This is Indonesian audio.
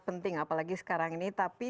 penting apalagi sekarang ini tapi